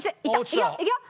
いくよいくよ！